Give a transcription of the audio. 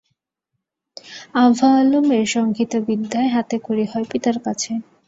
আভা আলমের সঙ্গীতবিদ্যায় হাতেখড়ি হয় পিতার কাছে।